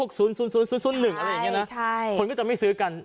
คนที่ไม่ซื้อกัน